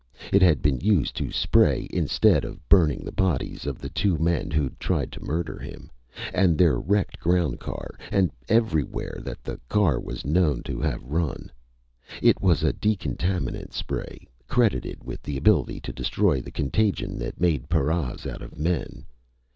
It had been used to spray instead of burning the bodies of the two men who'd tried to murder him, and their wrecked ground car, and everywhere that the car was known to have run. It was a decontaminant spray; credited with the ability to destroy the contagion that made paras out of men.